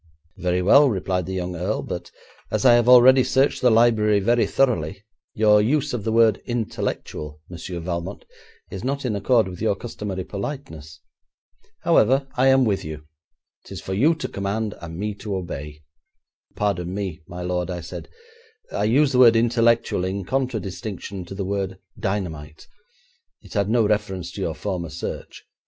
'Very well,' replied the young earl, 'but as I have already searched the library very thoroughly, your use of the word "intellectual", Monsieur Valmont, is not in accord with your customary politeness. However, I am with you. 'Tis for you to command, and me to obey.' 'Pardon me, my lord,' I said, 'I used the word "intellectual" in contradistinction to the word "dynamite". It had no reference to your former search.